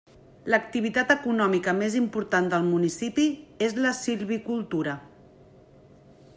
L'activitat econòmica més important del municipi és la silvicultura.